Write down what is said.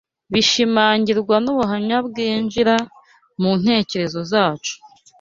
bishimangirwa n’ubuhamya bwinjira mu ntekerezo zacu